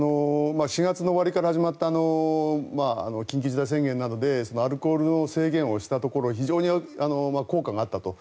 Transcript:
４月の終わりから始まった緊急事態宣言などでアルコールを制限したところ非常に効果があったと。